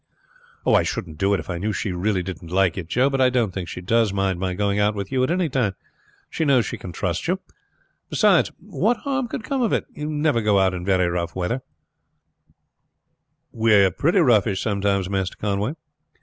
"I shouldn't do it if I knew she really didn't like it, Joe; but I don't think she does mind my going out with you at any time. She knows she can trust you. Beside, what harm could come of it? You never go out in very rough weather." "Pretty roughish sometimes, Master Conway."